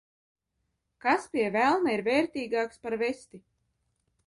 Kas, pie velna, ir vērtīgāks par vesti?